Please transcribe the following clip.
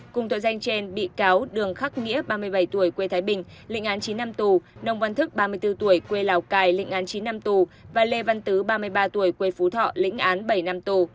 cùng tội danh trên bị cáo đường khắc nghĩa ba mươi bảy tuổi quê thái bình lịnh án chín năm tù nông văn thức ba mươi bốn tuổi quê lào cai lịnh án chín năm tù và lê văn tứ ba mươi ba tuổi quê phú thọ lĩnh án bảy năm tù